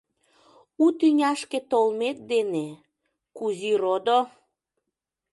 У тӱняшке толмет дене, Кузи родо!